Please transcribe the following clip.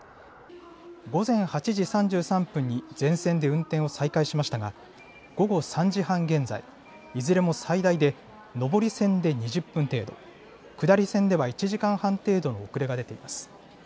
午前８時３３分に全線で運転を再開しましたが午後３時半現在、いずれも最大で上り線で２０分程度、下り線では１時間半程度の遅れが出ています。